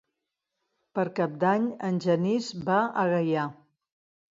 Per Cap d'Any en Genís va a Gaià.